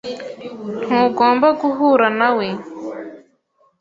Ntugomba guhura na we.